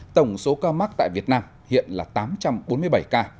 tổng số ca mắc tại việt nam hiện là tám trăm bốn mươi bảy ca